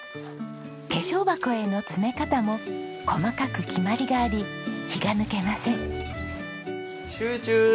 化粧箱への詰め方も細かく決まりがあり気が抜けません。